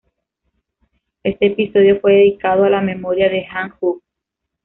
Este episodio fue dedicado a la memoria de Jan Hooks.